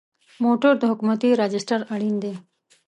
موټر د حکومتي راجسټر اړین دی.